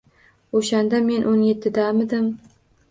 O‘shanda men o‘n yettidamidim?